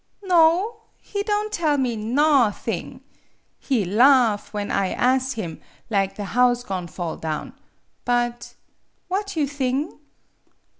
" "No; he don' tell me nawth'mg. He laugh, when I as' him, lig the house go'n' fall down. But what you thing